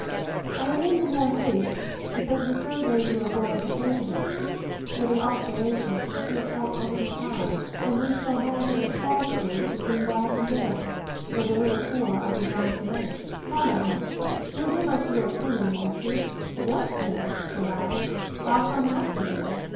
I am in the more haste, because the survey you are going to take of it, for the alterations, will take up a little time; and we shall have but a small space between that and dinner, for the little tour I design to make.—Pamela, you'll give us your opinion, won't you? Yes, sir, said I; I'll come after you.